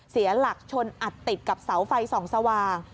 เสียหลักชนอัดติดกับเสาไฟส่องสว่าง